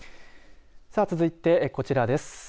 続いて、こちらです。